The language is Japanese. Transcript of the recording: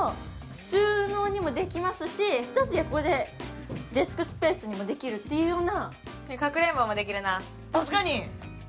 収納にもできますし、デスクスペースにもできるというような。